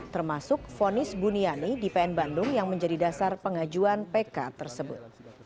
termasuk fonis buniani di pn bandung yang menjadi dasar pengajuan pk tersebut